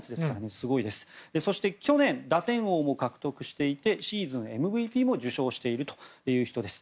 そして去年、打点王を獲得していてシーズンＭＶＰも受賞している人です。